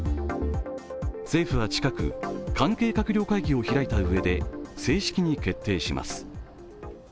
政府は近く、関係閣僚会議を開いたうえで正式に決定します。